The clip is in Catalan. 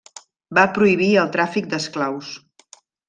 Va prohibir el tràfic d'esclaus.